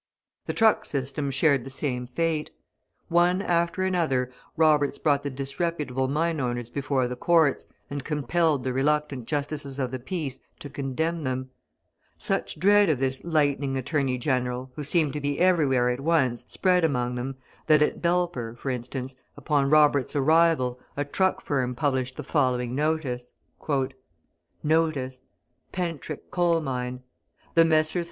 The truck system shared the same fate. One after another Roberts brought the disreputable mine owners before the courts, and compelled the reluctant Justices of the Peace to condemn them; such dread of this "lightning" "Attorney General" who seemed to be everywhere at once spread among them, that at Belper, for instance, upon Roberts' arrival, a truck firm published the following notice: "NOTICE!" "PENTRICH COAL MINE. "The Messrs.